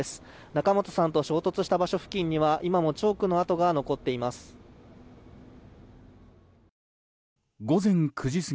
仲本さんと衝突した場所付近には今もチョークの跡が残っています。